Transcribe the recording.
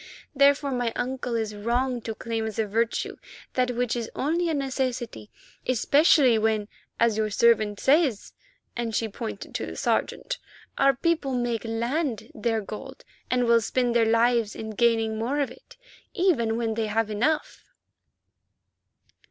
Therefore, my uncle is wrong to claim as a virtue that which is only a necessity, especially when, as your servant says," and she pointed to the Sergeant, "our people make land their gold and will spend their lives in gaining more of it, even when they have enough."